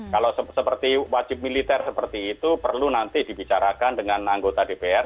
kalau seperti wajib militer seperti itu perlu nanti dibicarakan dengan anggota dpr